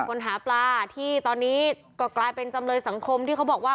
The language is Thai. คนหาปลาที่ตอนนี้ก็กลายเป็นจำเลยสังคมที่เขาบอกว่า